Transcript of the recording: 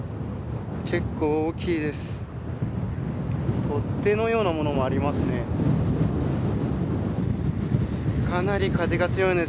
結構大きいです。